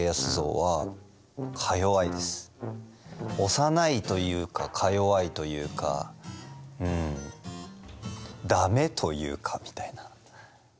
幼いというかかよわいというかうんダメというかみたいな。